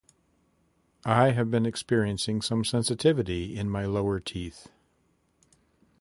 I have been experiencing some sensitivity in my lower teeth.